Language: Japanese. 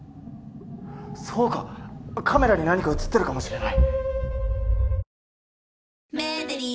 そうかカメラに何か映ってるかもしれない。